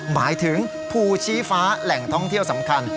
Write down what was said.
หมายถึงภูชีฟ้าแหล่งท่องเที่ยวสำคัญ